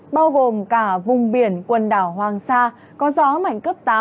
bao gồm cả vùng biển quần đảo hoàng sa có gió mạnh cấp tám